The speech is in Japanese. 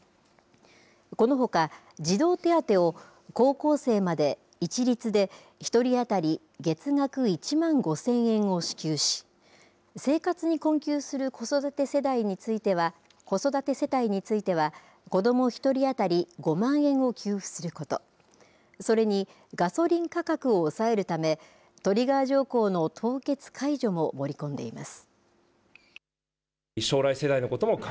このほか、児童手当を高校生まで、一律で１人当たり月額１万５０００円を支給し、生活に困窮する子育て世帯については、子ども１人当たり５万円を給付すること、それに、ガソリン価格を抑えるため、トリガー条項の凍結解除も盛り込んでいます。